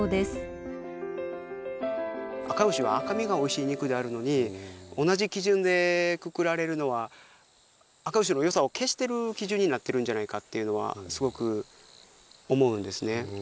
あかうしは赤身がおいしい肉であるのに同じ基準でくくられるのはあかうしの良さを消してる基準になってるんじゃないかっていうのはすごく思うんですね。